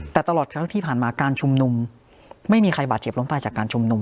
แต่ตลอดทั้งที่ผ่านมาการชุมนุมไม่มีใครบาดเจ็บล้มตายจากการชุมนุม